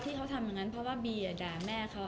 ที่เขาทำอย่างนั้นเพราะว่าบีด่าแม่เขา